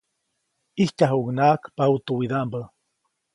ʼIjtyajuʼucnaʼajk paʼutuwidaʼmbä.